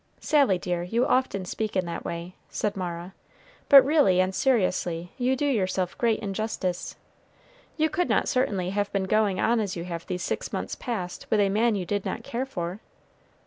"Sally dear, you often speak in that way," said Mara, "but really and seriously, you do yourself great injustice. You could not certainly have been going on as you have these six months past with a man you did not care for."